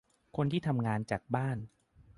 คนที่ทำงานจากบ้าน